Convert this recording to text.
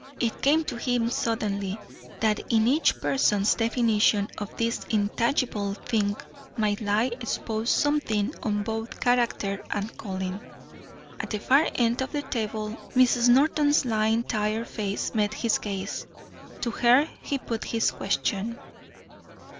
It came to him suddenly that in each person's definition of this intangible thing might lie exposed something of both character and calling. At the far end of the table Mrs. Norton's lined tired face met his gaze. To her he put his question.